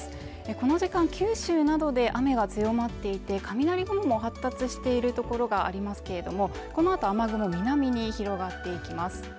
この時間九州などで雨が強まっていて雷雲発達しているところがありますけれども、このあと雨雲南に広がっていきます。